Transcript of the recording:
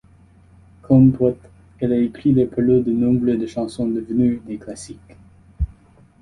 Comme poète, il a écrit les paroles de nombre de chansons devenues des classiques.